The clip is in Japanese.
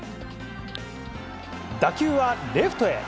打球はレフトへ。